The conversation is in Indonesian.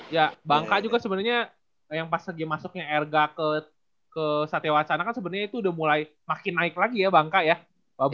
ya bangka juga sebenernya yang pas lagi masuknya erga ke satya wacana kan sebenernya itu udah mulai makin naik lagi ya bangka ya